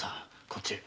こっちへ。